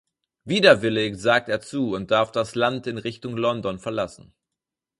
Widerwillig sagt er zu und darf das Land in Richtung London verlassen.